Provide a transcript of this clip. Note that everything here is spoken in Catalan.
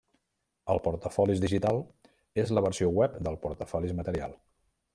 El portafolis digital és la versió web del portafolis material.